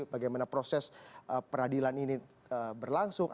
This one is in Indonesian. bagaimana proses peradilan ini berlangsung